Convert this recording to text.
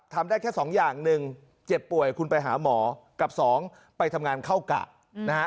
ทำได้แค่๒อย่าง๑เจ็บป่วยคุณไปหาหมอกับ๒ไปทำงานเข้ากะนะฮะ